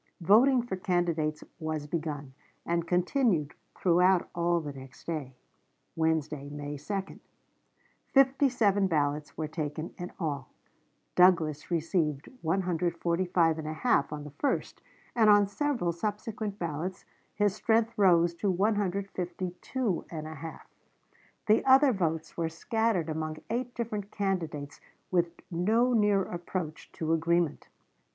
Voting for candidates was begun, and continued throughout all the next day (Wednesday, May 2). Fifty seven ballots were taken in all; Douglas received 145 1/2 on the first, and on several subsequent ballots his strength rose to 152 1/2. The other votes were scattered among eight different candidates with no near approach to agreement.